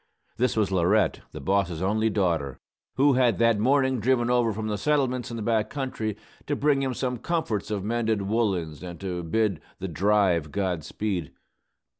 This was Laurette, the boss's only daughter, who had that morning driven over from the settlements in the back country, to bring him some comforts of mended woollens and to bid "the drive" God speed.